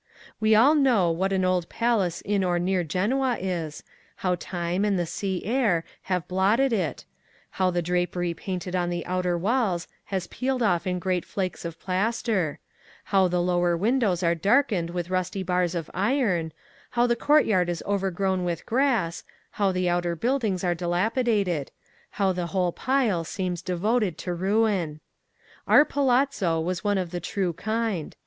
We all know what an old palace in or near Genoa is—how time and the sea air have blotted it—how the drapery painted on the outer walls has peeled off in great flakes of plaster—how the lower windows are darkened with rusty bars of iron—how the courtyard is overgrown with grass—how the outer buildings are dilapidated—how the whole pile seems devoted to ruin. Our palazzo was one of the true kind.